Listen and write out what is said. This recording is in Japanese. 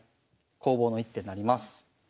攻防の一手になります。